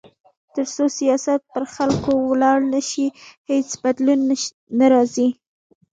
تر څو سیاست پر خلکو ولاړ نه شي، هیڅ بدلون نه راځي.